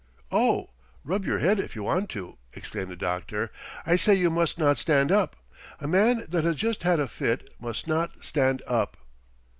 "Oh, rub your head if you want to!" exclaimed the doctor. "I say you must not stand up. A man that has just had a fit must not stand up."